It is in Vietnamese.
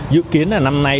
dự kiến là năm nay